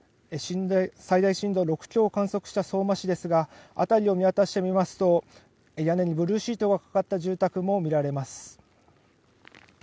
最大震度６強を観測した相馬市ですが、辺りを見回してみますと、屋根にブルーシートがかかった住宅も見られます。